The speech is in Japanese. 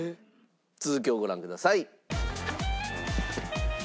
続きをご覧ください。